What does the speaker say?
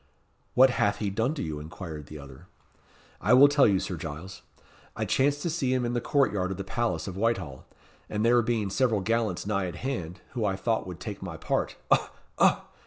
"What hath he done to you?" inquired the other. "I will tell you, Sir Giles. I chanced to see him in the court yard of the palace of Whitehall, and there being several gallants nigh at hand, who I thought would take my part ough! ough!